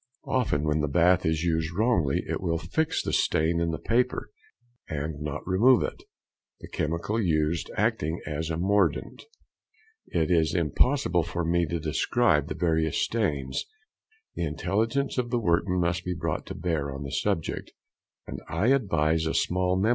Often when the bath is used wrongly it will fix the stain in the paper, and not remove it, the chemical used acting as a mordant. It is impossible for me to describe the various stains, the intelligence of the workman must be brought to bear on the subject; and I advise a small memo.